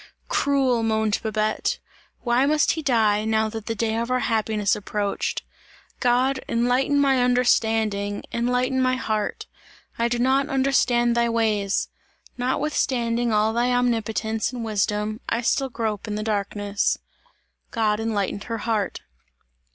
"Cruel!" moaned Babette, "why must he die, now that the day of our happiness approached. God! Enlighten my understanding! Enlighten my heart! I do not understand thy ways! Notwithstanding all thy omnipotence and wisdom, I still grope in the darkness." God enlightened her heart.